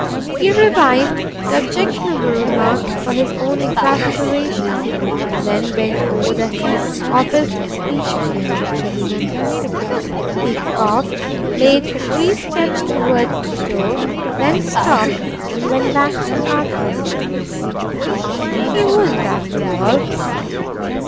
He revived the objectionable remark for his own exasperation, and then went over the heads of his speech again. He coughed, made three steps towards the door, then stopped and went back to the hearthrug. He wouldn't after all.